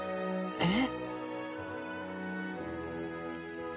えっ？